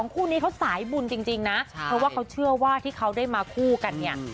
คู่นี้เขาสายบุญจริงนะเพราะว่าเขาเชื่อว่าที่เขาได้มาคู่กันเนี่ย